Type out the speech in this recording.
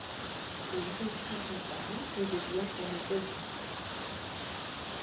Il réussit son pari et devient une idole du club.